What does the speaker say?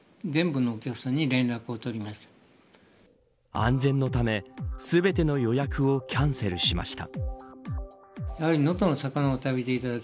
安全のため、全ての予約をキャンセルしました。